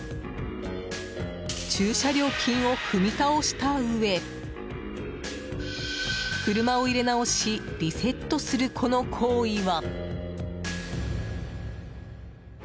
駐車料金を踏み倒したうえ車を入れ直しリセットするこの行為は。